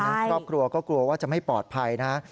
ครอบครัวก็กลัวว่าจะไม่ปลอดภัยนะ